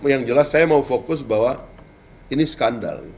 yang jelas saya mau fokus bahwa ini skandal